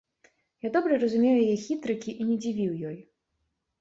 Я добра разумеў яе хітрыкі і не дзівіў ёй.